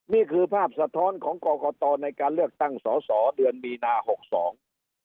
นี่คือภาพสะท้อนของกรกตในการเลือกตั้งสอสอเดือนมีนาหกสอง